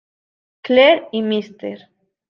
Clair y Mr.